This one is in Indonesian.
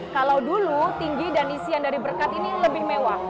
kalau dulu tinggi dan isian dari berkat ini lebih mewah